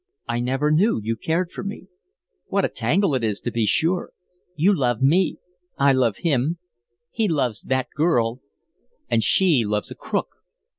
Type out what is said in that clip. I never knew you cared for me. What a tangle it is, to be sure. You love me, I love him, he loves that girl, and she loves a crook.